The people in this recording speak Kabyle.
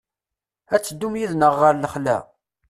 Ad teddum yid-neɣ ɣer lexla?